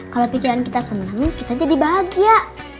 kalau pikiran kita senang kita jadi bahagia